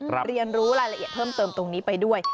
เรียนรู้รายละเอียดเพิ่มเติมตรงนี้ไปด้วย